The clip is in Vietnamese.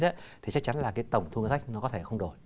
thì chắc chắn là cái tổng thu ngân sách nó có thể không đổi